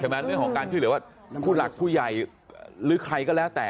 เรื่องของการช่วยเหลือว่าผู้หลักผู้ใหญ่หรือใครก็แล้วแต่